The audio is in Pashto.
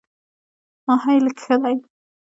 ماهی لږ ښه دی.